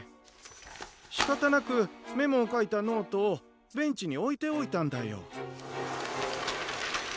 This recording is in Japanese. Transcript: しかたなくメモをかいたノートをベンチにおいておいたんだよ。